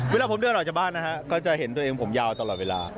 เวลาผมเดินออกจากบ้านนะฮะก็จะเห็นตัวเองผมยาวตลอดเวลา